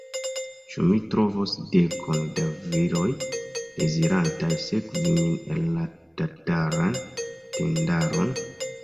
Ĉu mi trovos dekon da viroj, dezirantaj sekvi min en la tataran tendaron?